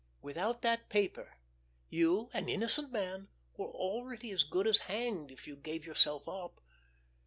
Without that paper, you, an innocent man, were already as good as hanged if you gave yourself up.